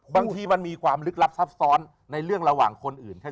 บางทีมันมีความลึกลับซับซ้อนในเรื่องระหว่างคนอื่นแค่